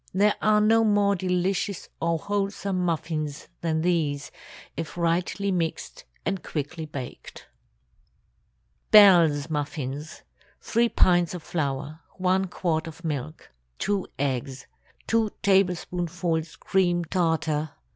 There are no more delicious or wholesome muffins than these, if rightly mixed and quickly baked. BELLE'S MUFFINS. 3 pints of flour. 1 quart of milk. 2 eggs. 2 tablespoonfuls cream tartar.